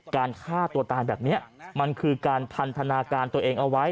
การฆ่าตัวตายแบบนี้มันคือการพันธนาการตัวเองเอาไว้